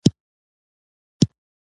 نه پوهېږو چې دا څوک دي دکوم ذات دي